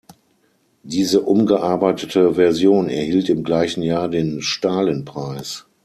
Diese umgearbeitete Version erhielt im gleichen Jahr den Stalinpreis.